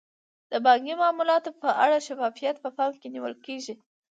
د بانکي معاملاتو په اړه شفافیت په پام کې نیول کیږي.